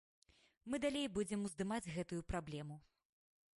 Мы далей будзем уздымаць гэтую праблему.